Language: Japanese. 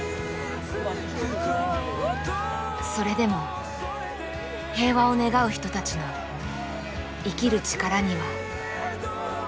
それでも平和を願う人たちの生きる力にはなれる。